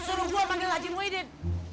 lo suruh gue manggil haji muhyiddin